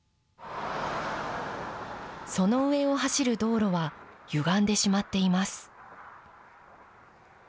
その上を走る道路はゆがんでしまっています。